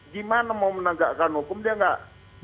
gimana mau menegakkan hukum dia nggak